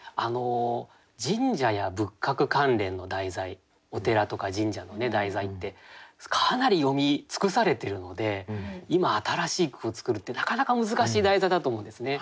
神社や仏閣関連の題材お寺とか神社の題材ってかなり詠み尽くされてるので今新しい句を作るってなかなか難しい題材だと思うんですね。